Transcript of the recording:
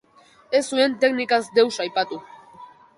Ez zuen teknikaz deus aipatu.